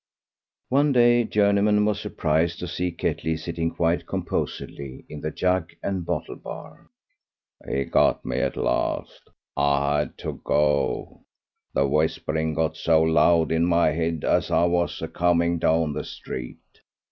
One day Journeyman was surprised to see Ketley sitting quite composedly in the jug and bottle bar. "He got me at last; I had to go, the whispering got so loud in my head as I was a coming down the street.